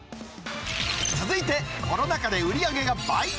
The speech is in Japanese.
続いて、コロナ禍で売り上げが倍に！